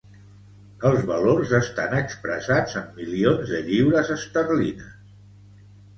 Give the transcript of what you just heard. Els valors estan expressats en milions de lliures esterlines.